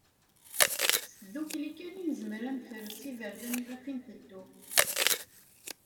S tdukkli kan i nezmer ad nefres iverdan i ɣef nteddu.